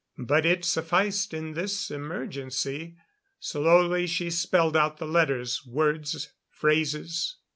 But it sufficed in this emergency. Slowly she spelled out the letters, words, phrases.